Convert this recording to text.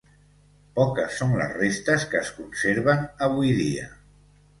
Poques són les restes que es conserven avui dia.